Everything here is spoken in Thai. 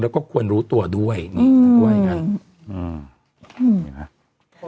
แล้วก็ควรรู้ตัวด้วยครับ